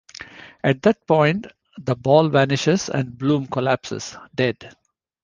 At that point the ball vanishes and Bloom collapses, dead.